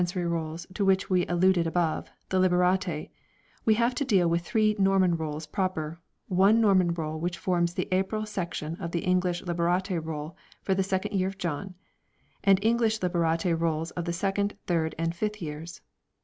10Se cerv Rolls to which we alluded above the Liberate we have to deal with three Norman Rolls proper, one Norman Roll which forms the April section of the English Liberate Roll for the second year of John, and English Liberate Rolls of the second, third, and fifth years.